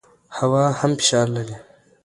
هوا هم فشار لري.